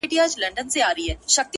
• سوداګر ویل دا څه اپلاتي وایې؟ ,